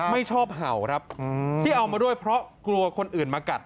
ไม่ชอบเห่าครับที่เอามาด้วยเพราะกลัวคนอื่นมากัด